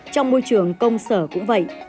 trong môi trường công sở cũng vậy